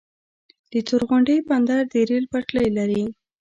تورغونډۍ بندر د ریل پټلۍ لري؟